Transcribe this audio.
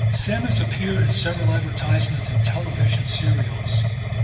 Sami has appeared in several advertisements and television serials.